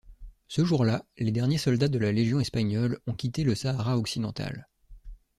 Ce jour-là, les derniers soldats de la Légion espagnole ont quitté le Sahara occidental.